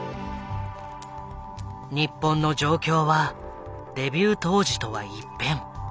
日本の状況はデビュー当時とは一変。